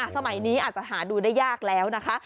สมัยนี้อาจจะหาดูได้ยากแล้วนะคะ